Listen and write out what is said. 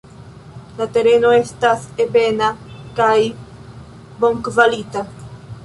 La tereno estas ebena kaj bonkvalita.